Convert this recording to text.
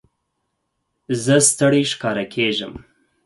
زه ستړی ښکاره کېږم.